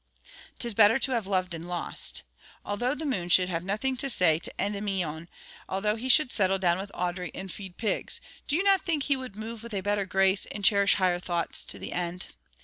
''Tis better to have loved and lost.' Although the moon should have nothing to say to Endymion, although he should settle down with Audrey and feed pigs, do you not think he would move with a better grace, and cherish higher thoughts to the end?